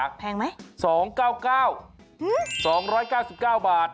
แพงไหมสองเก้าเก้าสองร้อยก้าวสิบเก้าบาท